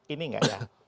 ini enggak ya